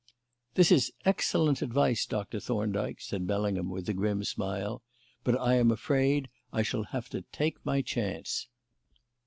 "This is excellent advice, Doctor Thorndyke," said Bellingham, with a grim smile; "but I am afraid I shall have to take my chance."